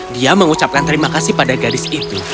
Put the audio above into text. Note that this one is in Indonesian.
dia mengucapkan terima kasih pada gadis itu